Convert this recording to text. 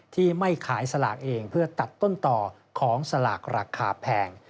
ที่ไม่ขายสลากเองเพื่อตัดต้นต่อของสลากราคาแพง